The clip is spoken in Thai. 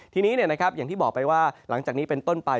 ทีนี้อย่างที่บอกไปว่าหลังจากนี้เป็นต้นไป